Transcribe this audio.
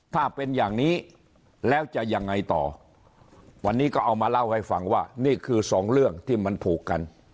ถ้าเป็นอย่างนี้แล้วจะยังไงต่อวันนี้ก็เอามาเล่าให้ฟังว่านี่คือสองเรื่องที่มันผูกกัน